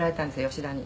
吉田に」